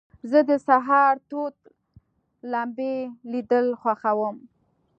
زه د سهار تود لمبې لیدل خوښوم.